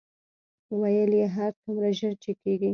ویل یې هر څومره ژر چې کېږي.